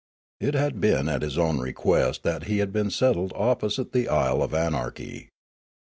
It had been at his own request that he had been settled opposite the Isle of Anarchy.